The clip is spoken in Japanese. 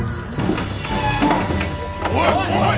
おいおい！